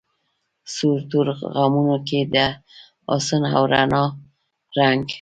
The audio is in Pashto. سور تورو غمونو کی د حسن او رڼا رنګ